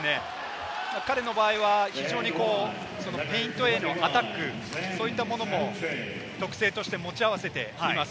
彼の場合はペイントへのアタック、そういったものも特性として持ち合わせています。